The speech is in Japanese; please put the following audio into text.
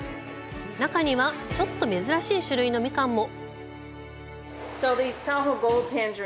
中にはちょっと珍しい種類のミカンも。